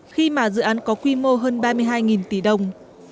khi mà dự án có quy mô hơn ba mươi hai tỷ đồng